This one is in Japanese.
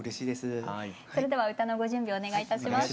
それでは歌のご準備お願いいたします。